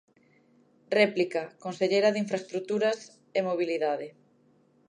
Réplica, conselleira de Infraestruturas e Mobilidade.